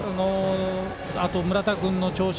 あと村田君の調子。